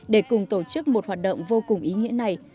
để cùng tổ chức một hoạt động vô cùng ý nghĩa này